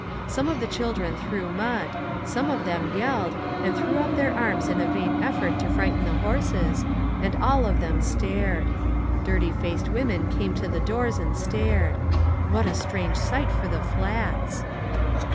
Some of the children threw mud ; some of them yelled, and threw up their arms in a vain effort to frighten the horses, and all of them stared. Dirty faced women came to the doors and stared. What a strange sight for the Flats